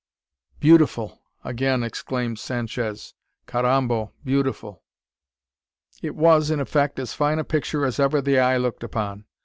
"Beautiful!" again exclaimed Sanchez; "carambo, beautiful!" It was, in effect, as fine a picture as ever the eye looked upon.